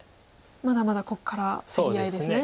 まだまだここから競り合いですね。